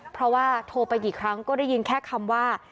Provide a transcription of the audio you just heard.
เพราะว่าโทรไปกี่ครั้งก็ได้ยินแค่คำว่า